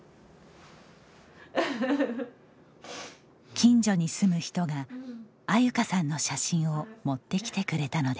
近所に住む人が安優香さんの写真を持ってきてくれたのです。